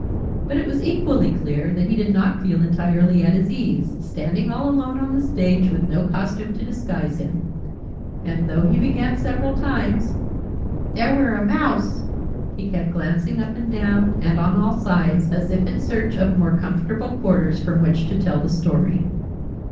But it was equally clear that he did not feel entirely at his ease, standing all alone on the stage, with no costume to disguise him: and though he began, several times, "There were a Mouse ," he kept glancing up and down, and on all sides, as if in search of more comfortable quarters from which to tell the Story.